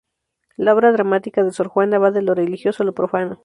La obra dramática de Sor Juana va de lo religioso a lo profano.